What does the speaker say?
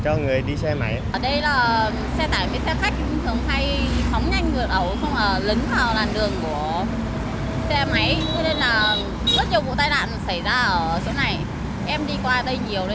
cho nên là rất nhiều vụ tai nạn xảy ra ở chỗ này em đi qua đây nhiều nên em biết